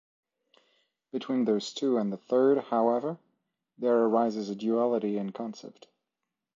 Between those two and the third, however, there arises a duality in concept.